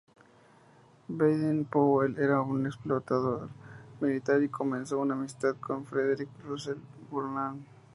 Baden-Powell era un explorador militar y comenzó una amistad con Frederick Russell Burnham.